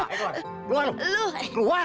keluaran lu keluaran